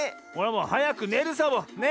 もうはやくねるサボ！ね。